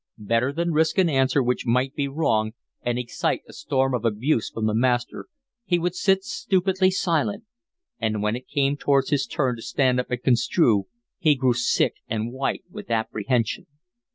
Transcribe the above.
Rather than risk an answer which might be wrong and excite a storm of abuse from the master, he would sit stupidly silent, and when it came towards his turn to stand up and construe he grew sick and white with apprehension.